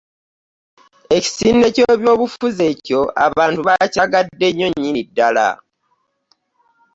Ekisinde ky'ebyobufuzi ekyo abantu bakyagadde nnyo nnyini ddala.